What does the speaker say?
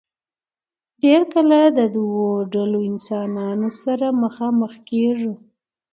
ډېر کله د دو ډلو انسانانو سره مخامخ کيږو